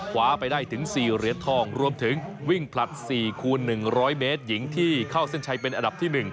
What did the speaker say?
ไปได้ถึง๔เหรียญทองรวมถึงวิ่งผลัด๔คูณ๑๐๐เมตรหญิงที่เข้าเส้นชัยเป็นอันดับที่๑